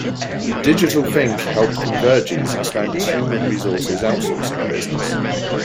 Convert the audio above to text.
DigitalThink helped Convergys expand its human resources outsourcing business.